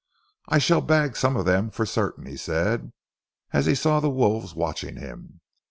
"I shall bag some of them for certain," he said, as he saw the wolves watching him.